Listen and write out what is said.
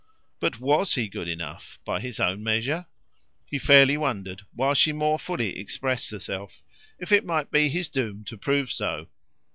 But WAS he good enough by his own measure? He fairly wondered, while she more fully expressed herself, if it might be his doom to prove so.